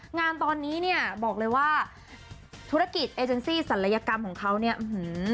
งานตอนนี้เนี่ยบอกเลยว่าธุรกิจเอเจนซี่ศัลยกรรมของเขาเนี่ยอื้อหือ